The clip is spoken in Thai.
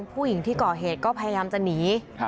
ผู้หญิงที่ก่อเหตุก็พยายามจะหนี